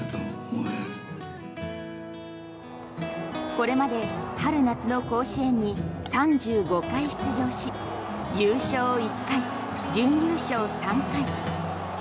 これまで春夏の甲子園に３５回出場し優勝１回、準優勝３回。